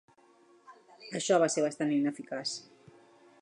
Això va ser bastant ineficaç.